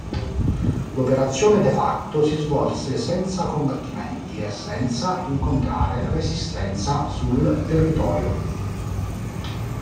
L'operazione, "de facto" si svolse senza combattimenti e senza incontrare resistenza sul territorio.